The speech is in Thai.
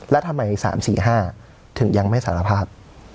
แล้วทำไม๓๔๕ถึงยังไม่สารภาพ